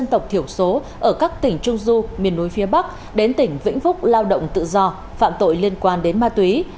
dân tộc thiểu số ở các tỉnh trung du miền núi phía bắc đến tỉnh vĩnh phúc lao động tự do phạm tội liên quan đến ma túy